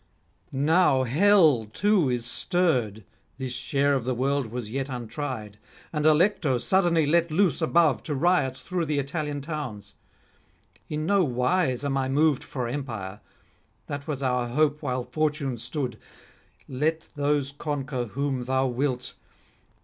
Now hell too is stirred (this share of the world was yet untried) and Allecto suddenly let loose above to riot through the Italian towns. In no wise am I moved for empire; that was our hope while Fortune stood; let those conquer whom thou wilt.